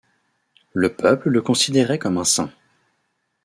Le peuple le considérait comme un saint.